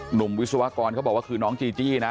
วิศวกรเขาบอกว่าคือน้องจีจี้นะ